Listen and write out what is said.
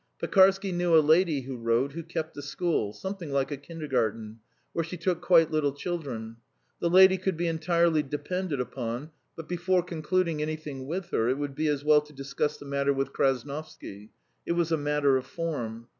Pekarsky knew a lady, he wrote, who kept a school, something like a kindergarten, where she took quite little children. The lady could be entirely depended upon, but before concluding anything with her it would be as well to discuss the matter with Krasnovsky it was a matter of form.